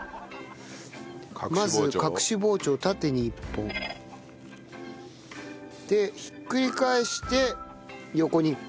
まず隠し包丁縦に一本。でひっくり返して横に一本。